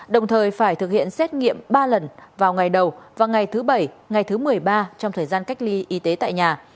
đồng thời phải thực hiện xét nghiệm ba lần vào ngày đầu và ngày thứ bảy ngày thứ một mươi ba trong thời gian cách ly y tế tại nhà